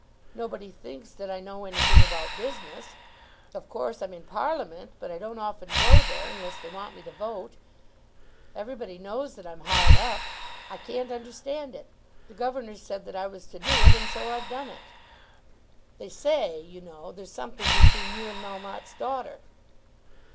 Nobody thinks that I know anything about business. Of course I'm in Parliament, but I don't often go there unless they want me to vote. Everybody knows that I'm hard up. I can't understand it. The Governor said that I was to do it, and so I've done it." "They say, you know, there's something between you and Melmotte's daughter."